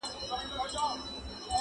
ولاړل د فتح سره برېتونه د شپېلیو،